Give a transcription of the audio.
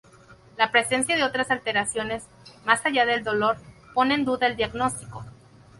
La presencia de otras alteraciones, más allá del dolor, pone en duda el diagnóstico.